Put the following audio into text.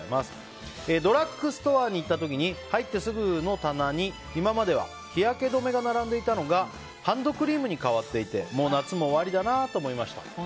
ドラッグストアに行った時に入ってすぐの棚に今までは日焼け止めが並んでいたのがハンドクリームに変わっていてもう夏も終わりだなと思いました。